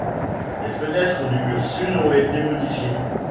Les fenêtres du mur sud ont été modifiées.